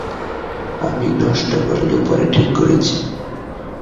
আমি নষ্ট করলেও, পরে ঠিক করেছি।